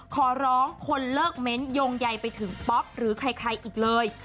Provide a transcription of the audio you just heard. ขอร้องคนเลิกเม้นต์โยงใยไปถึงป๊อปหรือใครอีกเลย